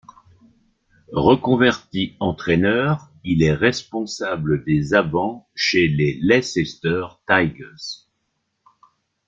Reconvertit entraîneur, il est responsable des avants chez les Leicester Tigers.